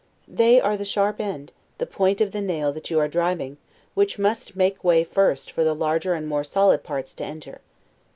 They are the sharp end, the point of the nail that you are driving, which must make way first for the larger and more solid parts to enter.